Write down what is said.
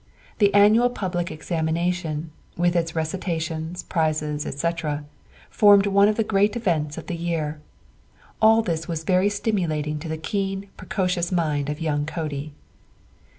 The annual public examination, with its recitations, prizes, etc., formed one of the great events of the year. All this was very stimulating to the keen, precocious mind of young Cody.